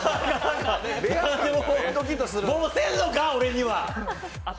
もう出んのか、俺には。